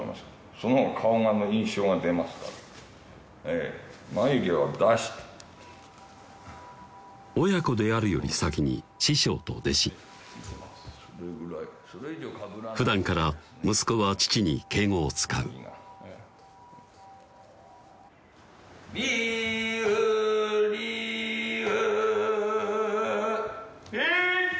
そのほうが顔の印象が出ますからえぇ眉毛を出して親子であるより先に師匠と弟子ふだんから息子は父に敬語を使うりうりうえい！